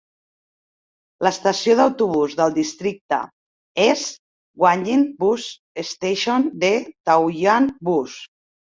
L"estació d"autobús del districte és Guanyin Bus Station de Taoyuan Bus.